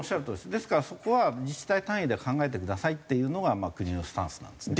ですからそこは自治体単位で考えてくださいっていうのが国のスタンスなんですね。